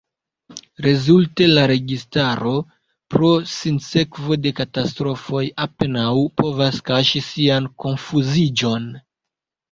Rezulte la registaro, pro sinsekvo de katastrofoj, apenaŭ povas kaŝi sian konfuziĝon.